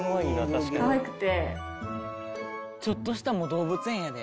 「ちょっとした動物園やで」